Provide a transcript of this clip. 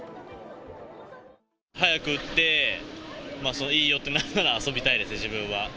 早く打って、その、いいよってなるなら遊びたいです、自分は。